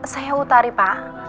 saya utari pak